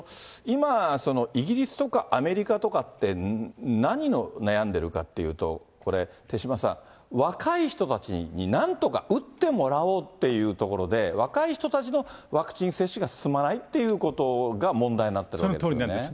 イギリスとかアメリカとかって、何を悩んでいるかというと、これ、手嶋さん、若い人たちになんとか打ってもらおうっていうところで、若い人たちのワクチン接種が進まないっていうことが問題になってそのとおりなんですね。